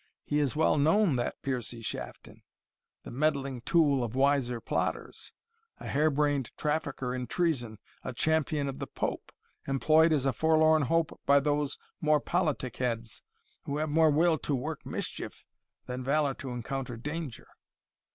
He is well known, that Piercie Shafton; the meddling tool of wiser plotters a harebrained trafficker in treason a champion of the Pope, employed as a forlorn hope by those more politic heads, who have more will to work mischief, than valour to encounter danger.